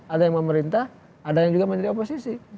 ada yang memerintah ada yang juga menjadi oposisi